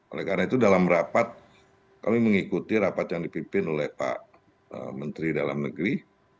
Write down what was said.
oleh karena itu dalam rapat kami mengikuti rapat yang dipimpin oleh pak menteri dalam negeri